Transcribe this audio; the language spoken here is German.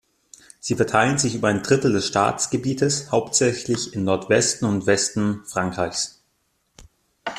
Sie verteilten sich über ein Drittel des Staatsgebietes, hauptsächlich im Nordwesten und Westen Frankreichs.